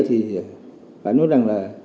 thì phải nói rằng là